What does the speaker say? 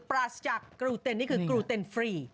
ปราศจากกรูเต็นนี่คือกรูเต็นฟรี